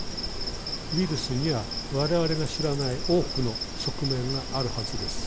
ウイルスには我々が知らない多くの側面があるはずです。